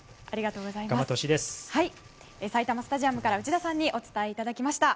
埼玉スタジアムから内田さんにお伝えいただきました。